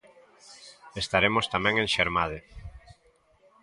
Estaremos tamén en Xermade.